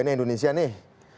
ini indonesia nih